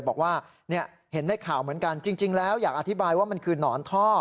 บอกว่าเห็นในข่าวเหมือนกันจริงแล้วอยากอธิบายว่ามันคือหนอนท่อ